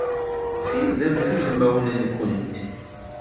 Sirdemt udmawen-nkent!